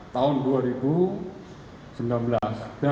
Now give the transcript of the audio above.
pak jokowi dan juga dari amerika